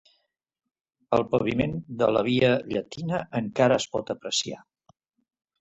El paviment de la via Llatina encara es pot apreciar.